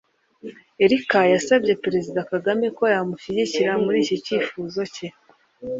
Erica yasabye Perezida Kagame ko yamushyigikira muri iki cyifuzo cye